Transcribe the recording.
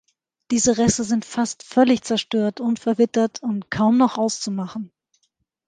Diese Reste sind fast völlig zerstört und verwittert und kaum noch auszumachen.